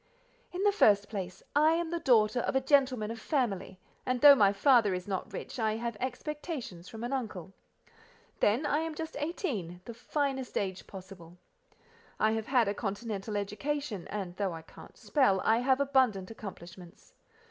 "In the first place: I am the daughter of a gentleman of family, and though my father is not rich, I have expectations from an uncle. Then, I am just eighteen, the finest age possible. I have had a continental education, and though I can't spell, I have abundant accomplishments.